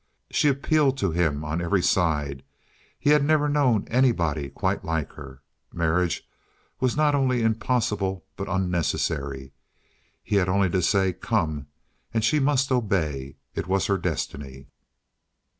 She appealed to him on every side; he had never known anybody quite like her. Marriage was not only impossible but unnecessary. He had only to say "Come" and she must obey; it was her destiny.